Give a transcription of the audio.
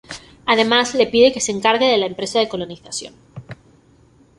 Además, le pide que se encargue de la empresa de colonización.